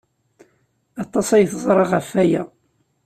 Aṭas ay teẓra ɣef waya.